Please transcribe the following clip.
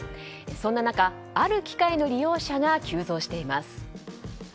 そんな中、ある機械の利用者が急増しています。